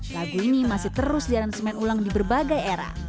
lagu ini masih terus di aransemen ulang di berbagai era